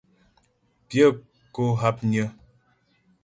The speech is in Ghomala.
Pyə̂ kó hápnyə́.